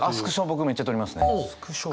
僕めっちゃ撮りますね。